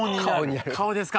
顔ですか。